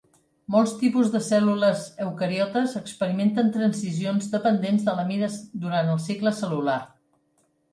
Molts tipus de cèl·lules eucariotes experimenten transicions dependents de la mida durant el cicle cel·lular.